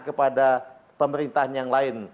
kepada pemerintahan yang lain